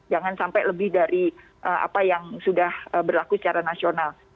jangan sampai lebih dari apa yang sudah berlaku secara nasional